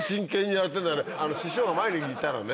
あの師匠が前にいたらね